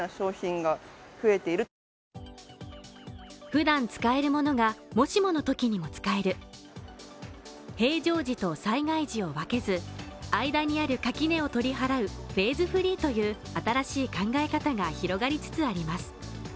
普段使えるものがもしものときにも使える平常時と災害時を分けず間にある垣根を取り払うフェーズフリーという新しい考え方が広がりつつあります